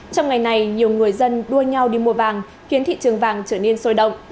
trong ngày này nhiều người dân đua nhau đi mua vàng khiến thị trường vàng trở nên sôi động